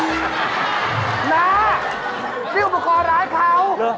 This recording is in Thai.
น่านี่อุปกรณ์ร้านเขาเหรอ